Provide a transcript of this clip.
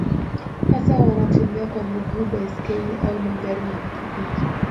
hasa watembea kwa miguu baiskeli au magari na pikipiki